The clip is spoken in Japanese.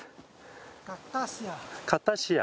カタシア。